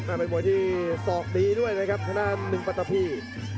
เป็นมวยที่สอกดีด้วยนะครับทางด้านหนึ่งปัตตะพี